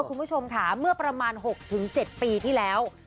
คุณผู้ชมค่ะเมื่อประมาณ๖๗ปีที่แล้ว